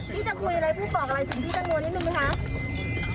พี่จะคุยอะไรพูดบอกอะไรถึงพี่ตังโมนิดนึงไหมคะ